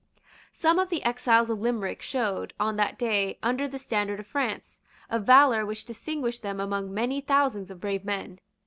Some of the exiles of Limerick showed, on that day, under the standard of France, a valour which distinguished them among many thousands of brave men.